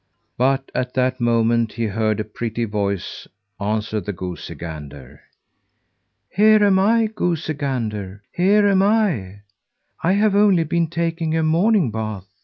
But at that moment he heard a pretty voice answer the goosey gander. "Here am I, goosey gander; here am I! I have only been taking a morning bath."